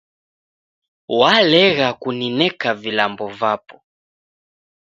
Walegha kunineka vilambo vapo